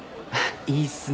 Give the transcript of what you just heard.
いいっすね。